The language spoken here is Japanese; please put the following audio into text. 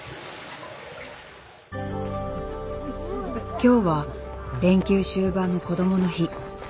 今日は連休終盤のこどもの日。